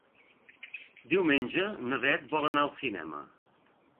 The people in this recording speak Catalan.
Diumenge na Bet vol anar al cinema.